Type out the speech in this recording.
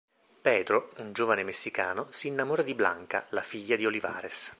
Pedro, un giovane messicano, si innamora di Blanca, la figlia di Olivares.